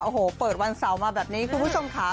โอ้โหเปิดวันเสาร์มาแบบนี้คุณผู้ชมค่ะ